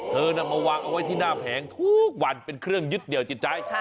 นำมาวางเอาไว้ที่หน้าแผงทุกวันเป็นเครื่องยึดเหนียวจิตใจ